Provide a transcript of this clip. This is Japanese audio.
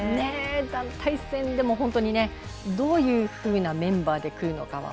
団体戦、どういうふうなメンバーで来るのか